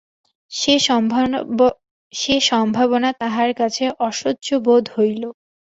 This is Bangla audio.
সে সম্ভাবনা তাহার কাছে অসহ্য বোধ হইল।